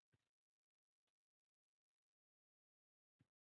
Mana, pahlavondek o`g`il tug`ib berdingiz